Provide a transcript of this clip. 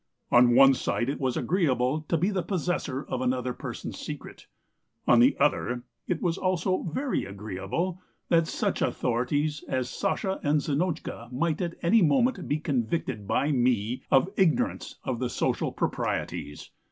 On one side it was agreeable to be the possessor of another person's secret; on the other it was also very agreeable that such authorities as Sasha and Zinotchka might at any moment be convicted by me of ignorance of the social proprieties.